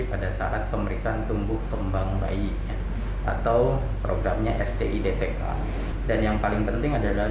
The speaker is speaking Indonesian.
pada saat pemeriksaan tumbuh kembang bayi atau programnya stid tk dan yang paling penting adalah